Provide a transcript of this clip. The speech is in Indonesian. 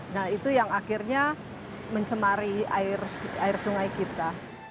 nah itu yang akhirnya mencemari air sungai kita